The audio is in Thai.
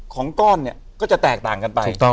ของก้อนเนี่ยก็จะแตกต่างกันไป